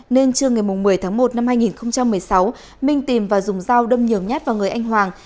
nên trưa ngày một mươi tháng một năm hai nghìn một mươi sáu minh tìm và dùng dao đâm nhiều nhát vào người anh hoàng